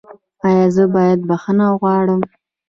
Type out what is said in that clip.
ایا زه باید بخښنه وغواړم؟